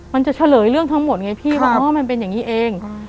เฉลยเรื่องทั้งหมดไงพี่ว่าอ๋อมันเป็นอย่างนี้เอง